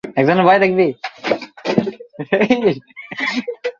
যতই ঐ প্রেম বাধাপ্রাপ্ত হয়, ততই উহা প্রবল ভাব ধারণ করিতে থাকে।